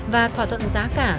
và thỏa thuận giá cả